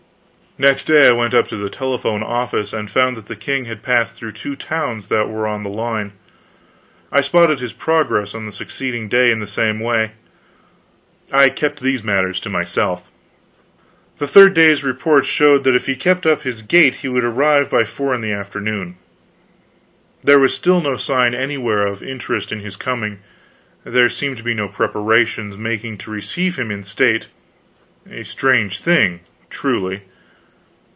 Next day I went up to the telephone office and found that the king had passed through two towns that were on the line. I spotted his progress on the succeeding day in the same way. I kept these matters to myself. The third day's reports showed that if he kept up his gait he would arrive by four in the afternoon. There was still no sign anywhere of interest in his coming; there seemed to be no preparations making to receive him in state; a strange thing, truly.